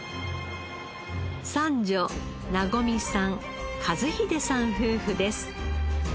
三女和さん和秀さん夫婦です。